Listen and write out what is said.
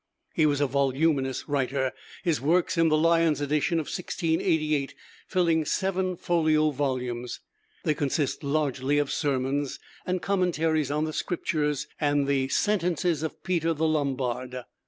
He was a voluminous writer, his works in the Lyons edition of 1688 filling seven folio volumes. They consist largely of sermons, and commentaries on the Scriptures and the 'Sentences' of Peter the Lombard.